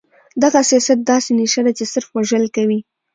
دغه سياست داسې نيشه ده چې صرف وژل کوي.